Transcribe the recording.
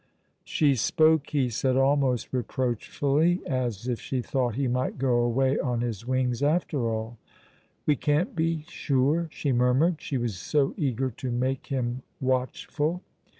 She spoke, he said, almost reproachfully, as if she thought he might go away on his wings, after all. "We can't be sure," she murmured, she was so eager to make him watchful.